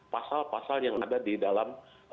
pasal pasal yang ada di dalam